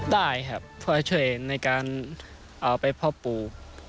ได้ครับเพื่อช่วยในการเอาไปพ่อปู่